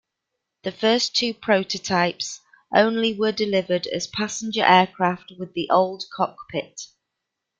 The first two prototypes only were delivered as passenger aircraft with the old cockpit.